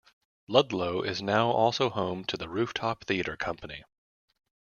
Ludlow is now also home to the Rooftop Theatre Company.